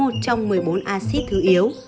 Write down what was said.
một mươi một trong một mươi bốn acid thứ yếu